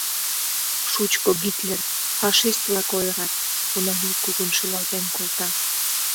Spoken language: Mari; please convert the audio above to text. Шучко Гитлер, фашист-влак ойырат, — Унавий кугун шӱлалтен колта.